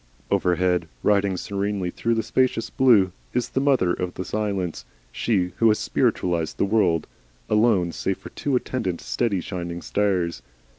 Overhead, riding serenely through the spacious blue, is the mother of the silence, she who has spiritualised the world, alone save for two attendant steady shining stars.